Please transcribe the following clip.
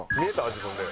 自分で。